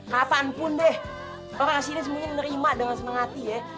kapanpun deh orang sini semuanya nerima dengan semangati ya